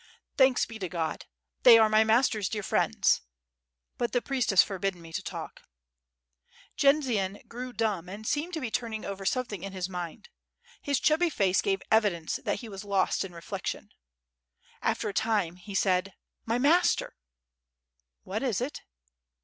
"Thanks be to God! they are my master's dear friends .... but the priest has forbidden me to talk." ... Jendzian grew dumb and seemed to be turning over some thing in his mind. His chubby face gave evidence that he was lost in reflection. After a time he said: "My master!" "What is it?"